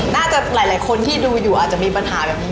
หลายคนที่ดูอยู่อาจจะมีปัญหาแบบนี้